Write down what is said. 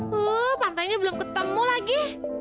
wuh pantainya belum ketemu lagi